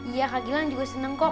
iya kak gilang juga seneng kok